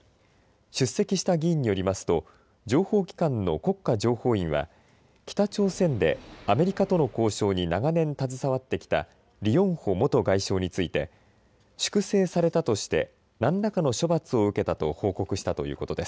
出席した議員によりますと情報機関の国家情報院は北朝鮮でアメリカとの交渉に長年携わってきたリ・ヨンホ元外相について粛清されたとして何らかの処罰を受けたと報告したということです。